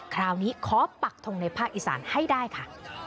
คราวนี้ขอปักทงในภาคอีสานให้ได้ค่ะ